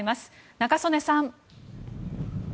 仲宗根さん。